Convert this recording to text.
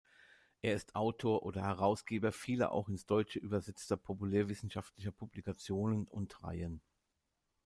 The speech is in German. Er ist Autor oder Herausgeber vieler auch ins deutsche übersetzter populärwissenschaftlicher Publikationen und Reihen.